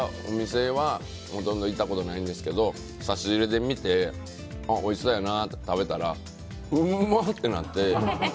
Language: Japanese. お店はほとんど行ったことないんですけど差し入れで見ておいしそうやなって食べたらうまっ！ってなって。